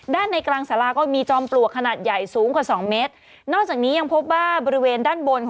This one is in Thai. ด้านในกลางสาราก็มีจอมปลวกขนาดใหญ่สูงกว่า๒เมตร